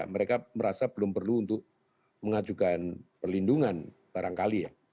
mereka merasa belum perlu untuk mengajukan perlindungan barangkali ya